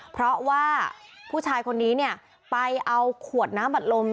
เพราะว่าผู้ชายคนนี้เนี่ยไปเอาขวดน้ำอัดลม